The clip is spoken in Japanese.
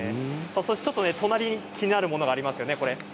隣に気になるものがありますね。